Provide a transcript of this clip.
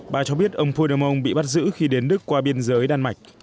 bà cho biết ông phúy đơ mông bị bắt giữ khi đến đức qua biên giới đan mạch